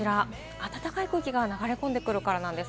暖かい空気が流れ込んでくるからです。